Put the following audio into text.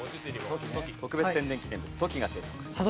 特別天然記念物トキが生息。